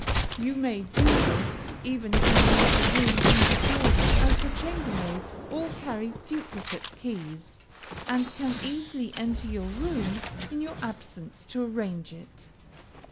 You may do this, even if you leave the room in disorder, as the chambermaids all carry duplicate keys, and can easily enter your room in your absence to arrange it.